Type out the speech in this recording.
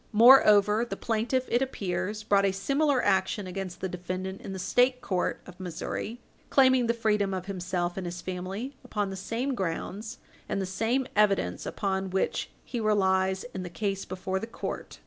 Moreover, the plaintiff, it appears, brought a similar action against the defendant in the State court of Missouri, claiming the freedom of himself and his family upon the same grounds and the same evidence upon which he relies in the case before the court.